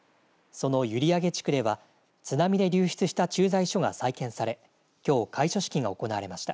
その閖上地区では津波で流失した駐在所が再建されきょう開所式が行われました。